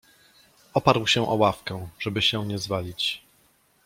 Oparł się o ławkę, żeby się nie zwalić.